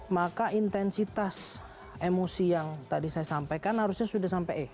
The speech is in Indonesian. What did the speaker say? maka intensitas emosi yang tadi saya sampaikan harusnya sudah sampai e